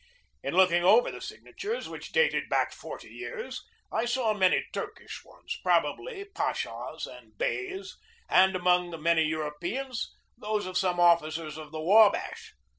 In looking over the signatures, which dated back forty years, I saw many Turkish ones, probably pashas and beys, and among the many Europeans those of some officers of the Wabash.